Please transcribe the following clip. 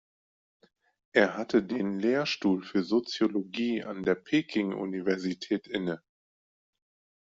Er hatte den Lehrstuhl für Soziologie an der Peking-Universität inne.